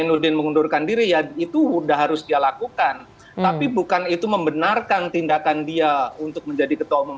umum itu udah harus dia lakukan tapi bukan itu membenarkan tindakan dia untuk menjadi ketua umum